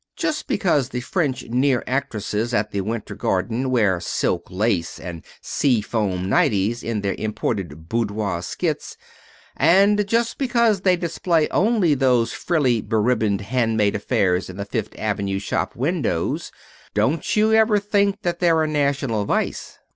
Just because the French near actresses at the Winter Garden wear silk lace and sea foam nighties in their imported boudoir skits, and just because they display only those frilly, beribboned handmade affairs in the Fifth Avenue shop windows, don't you ever think that they're a national vice.